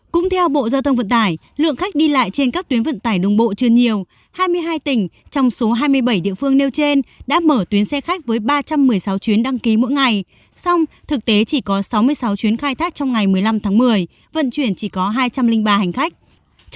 cũng theo bộ giao thông vận tải lượng khách đi lại trên các tuyến vận tải đường bộ chưa nhiều hai mươi hai tỉnh trong số hai mươi bảy địa phương nêu trên đã mở tuyến xe khách với ba trăm một mươi sáu chuyến đăng ký mỗi ngày song thực tế chỉ có sáu mươi sáu chuyến khai thác trong ngày một mươi năm tháng một mươi vận chuyển chỉ có hai trăm linh ba hành khách